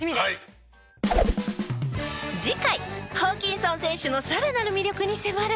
次回ホーキンソン選手のさらなる魅力に迫る！